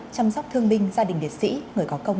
chăm sóc thương binh gia đình liệt sĩ người có công